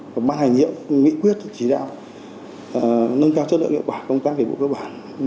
và mang hành hiệu nghị quyết chỉ đạo nâng cao chất lượng hiệu quả công tác về vụ các bản